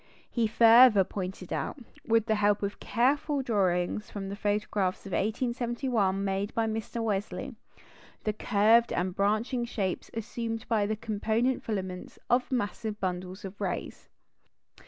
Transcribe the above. He further pointed out, with the help of careful drawings from the photographs of 1871 made by Mr. Wesley, the curved and branching shapes assumed by the component filaments of massive bundles of rays.